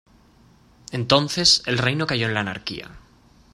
Entonces el reino cayó en la anarquía.